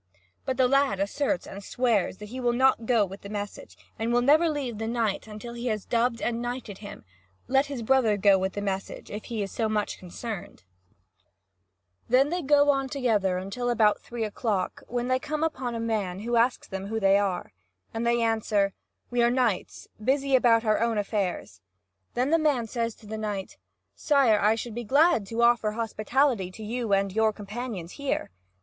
But the lad asserts and swears that he will not go with the message, and will never leave the knight until he has dubbed and knighted him; let his brother go with the message, if he is so much concerned. (Vv. 2267 2450.) Then they go on together until about three o'clock, when they come upon a man, who asks them who they are. And they answer: "We are knights, busy about our own affairs." Then the man says to the knight: "Sire, I should be glad to offer hospitality to you and your companions here."